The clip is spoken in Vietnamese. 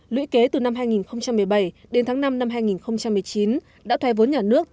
lũy kế từ năm hai nghìn một mươi bảy đến tháng năm năm hai nghìn một mươi chín đã thoái vốn nhà nước